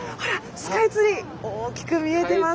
スカイツリー大きく見えてます。